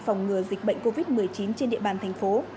phòng ngừa dịch bệnh covid một mươi chín trên địa bàn thành phố